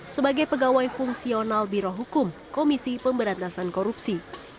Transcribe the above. sebagai pegawai fungsional birohukum komisi pemberantasan korupsi